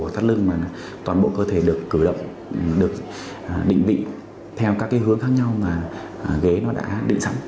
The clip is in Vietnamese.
thắt lưng mà toàn bộ cơ thể được cử động được định vị theo các cái hướng khác nhau mà ghế nó đã định sẵn